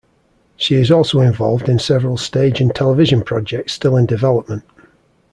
She is also involved in several stage and television projects still in development.